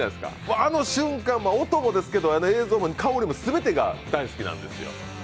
あの瞬間、音もですけど映像も香りも全てが大好きなんですよ。